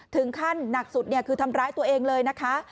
หนักสุดคือทำร้ายตัวเองเลยนะคะ